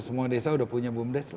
semua desa sudah punya bumdes